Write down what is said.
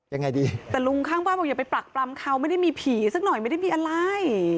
ยังไงดีแต่ลุงข้างบ้านบอกอย่าไปปรักปรำเขาไม่ได้มีผีสักหน่อยไม่ได้มีอะไร